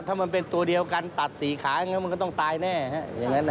ถ้ามันเป็นตัวเดียวกันตัดสี่ขามันก็ต้องตายแน่นะครับ